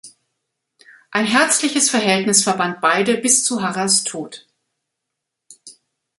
Ein herzliches Verhältnis verband beide bis zu Harrers Tod.